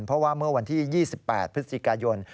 เพราะว่าเมื่อวันที่๒๘พฤศจิกายน